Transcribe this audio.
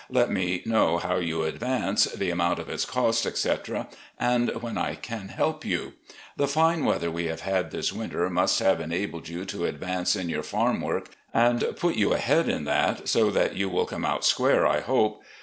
Let me know how you advance, the amoimt of its cost, etc., and when I can help you. ... The fine weather we have had this winter must have enabled you to advance in your farm work and put you ahead in that, so you will come out square, I hope.